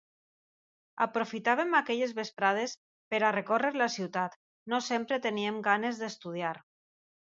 Aprofitàvem aquelles vesprades per a recórrer la ciutat, no sempre teníem ganes d'estudiar.